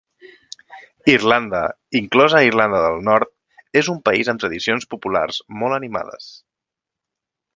Irlanda, inclosa Irlanda del Nord, és un país amb tradicions populars molt animades.